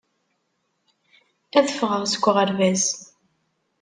Ad ffɣeɣ seg uɣerbaz